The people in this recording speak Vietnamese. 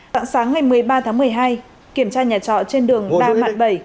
sáng ngày một mươi ba tháng một mươi hai kiểm tra nhà trọ trên đường ba mạng bảy